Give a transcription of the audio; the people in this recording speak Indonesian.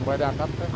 boleh diangkat ya